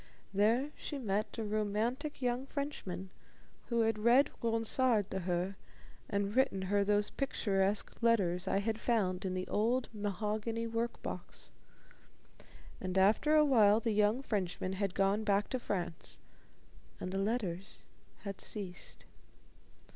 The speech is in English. There she met a romantic young Frenchman who had read Ronsard to her and written her those picturesque letters I had found in the old mahogany work box. And after a while the young Frenchman had gone back to France, and the letters had ceased.